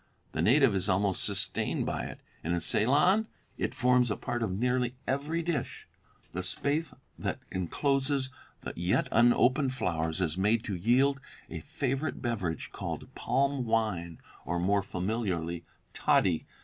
The native is almost sustained by it, and in Ceylon it forms a part of nearly every dish. The spathe that encloses the yet unopened flowers is made to yield a favorite beverage called palm wine, or, more familiarly, 'toddy.'